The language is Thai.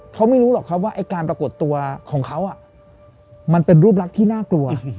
เขาไม่รู้หรอกครับว่าไอ้การปรากฏตัวของเขามันเป็นรูปลักษณ์ที่น่ากลัว